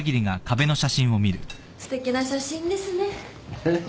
すてきな写真ですね。